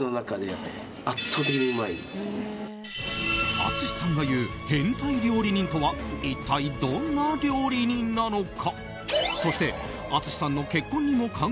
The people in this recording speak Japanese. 淳さんが言う変態料理人とは一体どんな料理人なのか。